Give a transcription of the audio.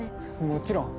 もちろん。